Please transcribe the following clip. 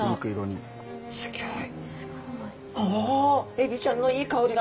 エビちゃんのいい香りが。